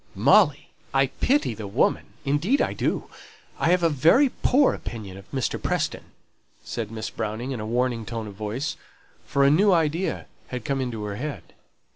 "Molly! I pity the woman! Indeed I do. I have a very poor opinion of Mr. Preston," said Miss Browning, in a warning tone of voice; for a new idea had come into her head.